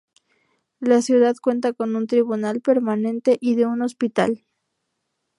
La ciudad cuenta con un tribunal permanente y de un hospital.